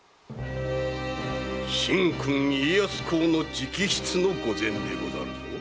神君家康公の直筆の御前でござるぞ。